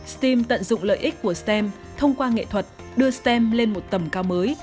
steam tận dụng lợi ích của stem thông qua nghệ thuật đưa stem lên một tầm cao mới